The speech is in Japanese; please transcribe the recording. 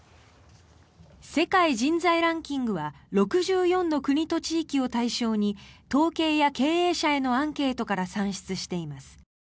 世界人材ランキングは６４の国と地域を対象に統計や経営者へのアンケートから算出しています。